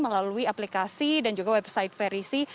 melalui aplikasi dan juga website verisi